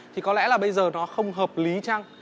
thì có lẽ là bây giờ nó không hợp lý chăng